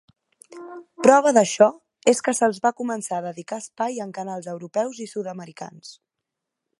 Prova d'això és que se'ls va començar a dedicar espai en canals europeus i sud-americans.